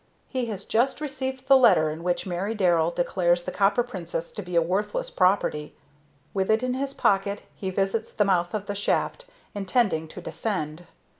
He has just received the letter in which Mary Darrell declares the Copper Princess to be a worthless property. With it in his pocket he visits the mouth of the shaft, intending to descend.